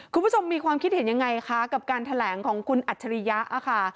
คุณผู้ชมมีความคิดเห็นยังไงคะกับการแถลงของคุณอัจฉริยะค่ะ